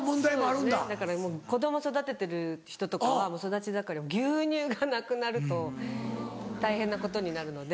そうですねだから子供育ててる人とかは育ち盛りは牛乳がなくなると大変なことになるので。